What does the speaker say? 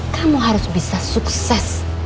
kamu harus bisa sukses